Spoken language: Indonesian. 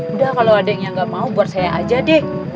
udah kalau ada yang gak mau buat saya aja deh